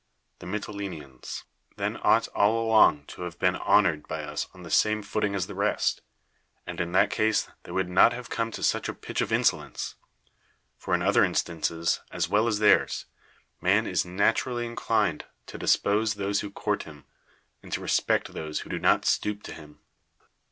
The Mytileneans then ought all along to have been honored by us on the same footing as the rest, and in that case they would not have come to such a pitch of insolence; for in other instances, as well as theirs, man is nat urally inclined to despise those who court him, and to respect those who do not stoop to him.